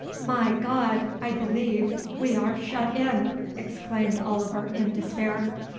"My God! I believe we are shut in," exclaimed Oliver in despair.